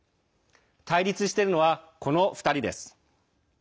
対立しているのは、この２人です。